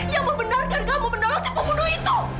yang membenarkan kamu menolak si pembunuh itu